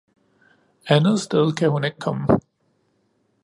Andet sted kan hun ikke komme.